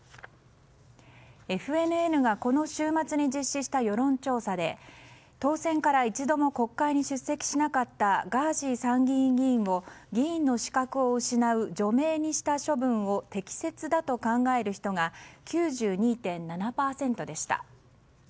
ＦＮＮがこの週末に実施した世論調査で当選から一度も国会に出席しなかったガーシー参議院議員を議員の資格を失う除名にした処分を適切だと考える人が９２．７％でした。